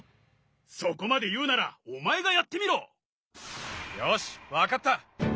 そこまで言うならお前がやってみろ！よし分かった。